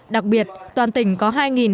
đặc biệt toàn tỉnh có hai hai trăm linh